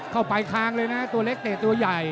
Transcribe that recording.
เข้าไปคล้างเลยนะตัวเล็กเตะตัวใหญ่